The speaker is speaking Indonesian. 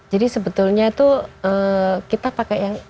jadi sebetulnya itu kita pakai yang